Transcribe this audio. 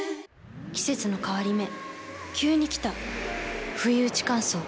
季節の変わり目急に来たふいうち乾燥。